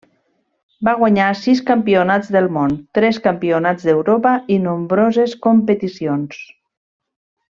Va guanyar sis campionats del món, tres campionats d'Europa i nombroses competicions.